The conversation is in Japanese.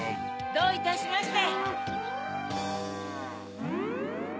どういたしまして。